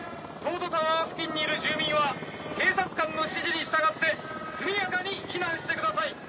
東都タワー付近にいる住民は警察官の指示に従って速やかに避難してください！